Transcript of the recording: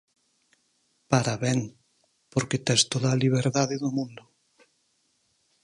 Para ben, porque tes toda a liberdade do mundo.